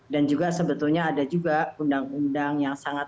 dan juga sebetulnya ada juga undang undang yang sangat